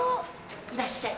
いらっしゃい。